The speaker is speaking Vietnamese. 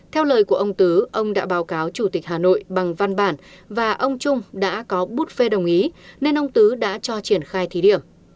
hà nội bằng văn bản và ông trung đã có bút phê đồng ý nên ông tứ đã cho triển khai thí điểm